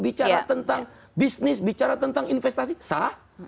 bicara tentang bisnis bicara tentang investasi sah